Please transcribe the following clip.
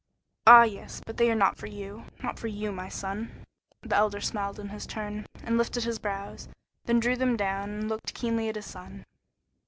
"Ah, yes. But they are not for you not for you, my son." The Elder smiled in his turn, and lifted his brows, then drew them down and looked keenly at his son.